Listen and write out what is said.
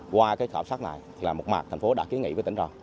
qua cái khảo sát này là một mặt thành phố đã ký nghị với tỉnh rồi